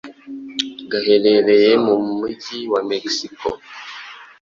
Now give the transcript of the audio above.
gaherereye mu mujyi wa Mexico